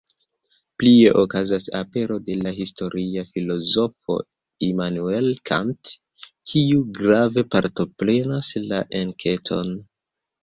Plie okazas apero de la historia filozofo Immanuel Kant, kiu grave partoprenas la enketon.